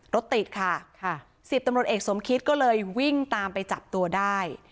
รถติดค่ะ๑๐ตำรวจเอกสมคิตก็เลยวิ่งตามไปจับตัวได้